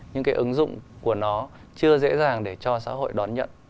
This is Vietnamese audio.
những cái ứng dụng của nó chưa dễ dàng để cho xã hội đón nhận